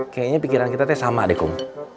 kayaknya pikiran kita sama deh kum